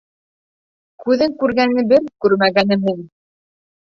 Күҙҙең күргәне бер, күрмәгәне мең.